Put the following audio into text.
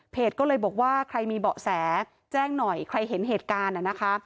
ก็เลยบอกว่าใครมีเบาะแสแจ้งหน่อยใครเห็นเหตุการณ์นะคะ